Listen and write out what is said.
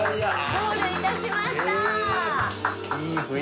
ゴールいたしました